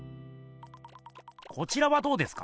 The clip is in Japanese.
こちらはどうですか？